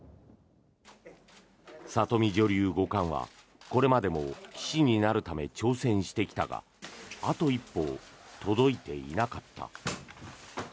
里見女流五冠はこれまでも棋士になるため挑戦してきたがあと一歩届いていなかった。